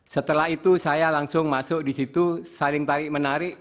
setelah itu saya langsung masuk di situ saling tarik menarik